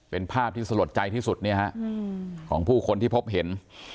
เป็นภาพที่สลดใจที่สุดของผู้คนที่พบเห็น